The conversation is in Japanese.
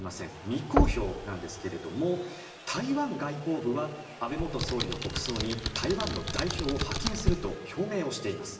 未公表なんですが台湾外交部は安倍元総理の国葬に台湾の代表を派遣すると表明をしています。